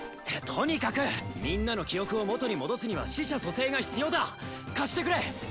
とにかくみんなの記憶をもとに戻すには死者蘇生が必要だ貸してくれ！